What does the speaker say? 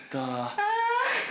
ああ。